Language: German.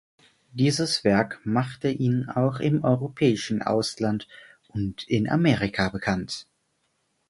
Dieses Werk machte ihn auch im europäischen Ausland und in Amerika bekannt.